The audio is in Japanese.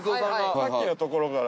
さっきのところから。